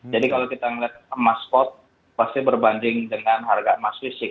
jadi kalau kita melihat emas spot pasti berbanding dengan harga emas fisik